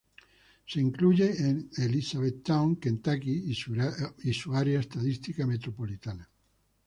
Se incluye en Elizabethtown, Kentucky, y su Área Estadística Metropolitana.